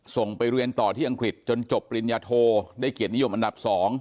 ส่งไปเรียนต่อที่อังกฤษจนจบปริญญาโทได้เกียรตินิยมอันดับ๒